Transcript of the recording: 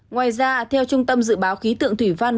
ngoài ra theo trung tâm dự báo khí tượng thủy văn